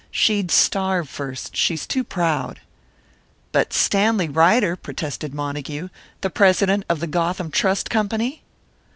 She'd starve first. She's too proud." "But Stanley Ryder!" protested Montague. "The president of the Gotham Trust Company!"